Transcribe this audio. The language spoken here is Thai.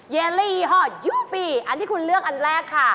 เยลี่ยี่ห้อยูปีอันที่คุณเลือกอันแรกค่ะ